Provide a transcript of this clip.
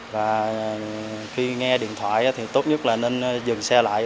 và khi nghe điện thoại thì tốt nhất là nên dừng xe lại